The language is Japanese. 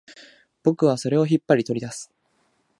僕はそれを引っ張り、取り出す